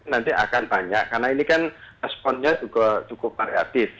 nanti akan banyak karena ini kan responnya juga cukup variatif